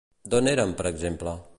D'on eren, per exemple?